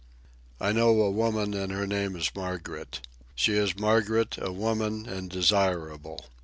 I know a woman and her name is Margaret. She is Margaret, a woman and desirable.